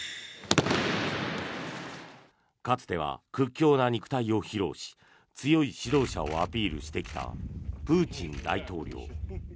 かつては屈強な肉体を披露し強い指導者をアピールしてきたプーチン大統領。